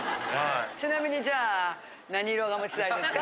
ちなみにじゃあ何色が持ちたいですか？